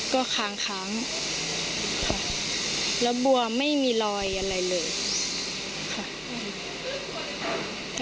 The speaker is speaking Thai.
ก็ค้างค้างค่ะแล้วบัวไม่มีรอยอะไรเลยค่ะ